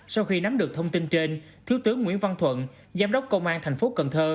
sau khi nắm được thông tin trên thứ tướng nguyễn văn thuận giám đốc công an tp cn